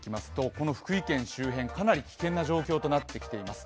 この福井県周辺、かなり危険な状況となってきています。